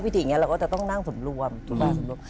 ต้องนั่งส่วนรวมส่วนรวม